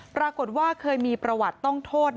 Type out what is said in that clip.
ปรากฏว่าเคยมีประวัติต้องโทษ